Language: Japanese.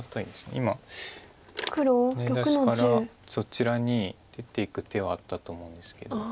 今ハネ出しからそちらに出ていく手はあったと思うんですけど。